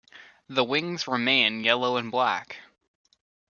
The wings remain yellow and black.